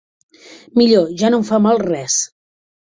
Millor. Ja no em fa mal res.